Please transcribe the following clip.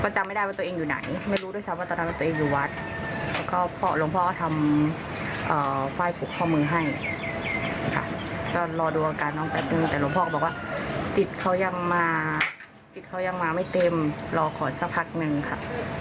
จิตเขายังมาไม่เต็มรอขอนสักพักหนึ่งค่ะ